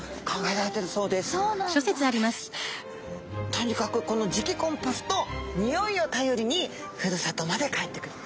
とにかくこの磁気コンパスと匂いを頼りにふるさとまで帰ってくる。